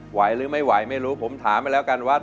ไหวหรือไม่ไหวไม่รู้ผมถามไปแล้วกันว่า